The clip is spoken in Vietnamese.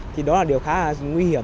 thì đó là điều khá là nguy hiểm